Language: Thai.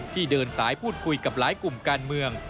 เดินสายพูดคุยกับหลายกลุ่มการเมือง